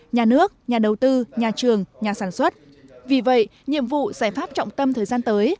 nhà sản xuất vì vậy nhiệm vụ giải pháp trọng tâm thời gian tới